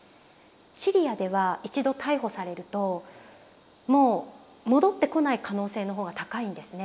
シリアでは一度逮捕されるともう戻ってこない可能性の方が高いんですね。